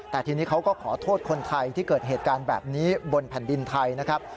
แต่ทีนี้เขาก็ขอโทษคนไทยที่เกิดเหตุการณ์แบบนี้บนแผ่นดินไทยนะครับ